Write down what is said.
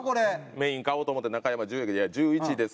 メイン買おうと思って「中山１０１１です」。